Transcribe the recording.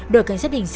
đội cảnh sát hình sự